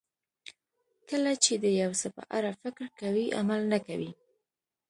کله چې د یو څه په اړه فکر کوئ عمل نه کوئ.